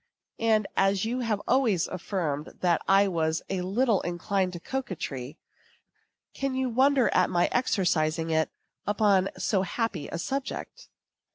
And as you have always affirmed that I was a little inclined to coquetry, can you wonder at my exercising it upon so happy a subject?